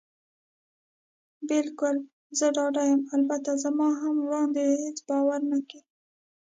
بلکل، زه ډاډه یم. البته زما هم وړاندې هېڅ باور نه کېده.